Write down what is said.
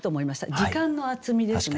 時間の厚みですね。